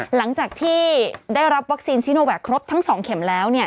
หลังจากที่ได้รับวัคซีนซิโนแวคครบทั้ง๒เข็มแล้วเนี่ย